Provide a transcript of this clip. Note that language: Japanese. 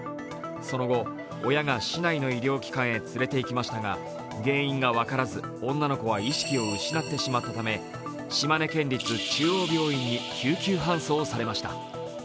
その後、親がしないの医療機関へ連れて行きましたが原因が分からず女の子は意識を失ってしまったため、島根県立中央病院に救急搬送されました。